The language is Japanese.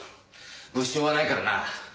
物証はないからな。